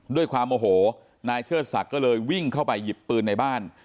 ด้วยความโอโหนายเชิดศักดิ์ก็เลยวิ่งเข้าไปหยิบปืนในบ้าน